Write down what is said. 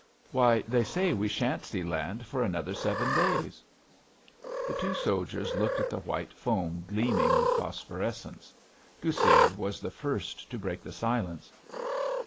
"Why, they say we shan't see land for another seven days." The two soldiers looked at the white foam gleaming with phosphorescence. Goussiev was the first to break the silence.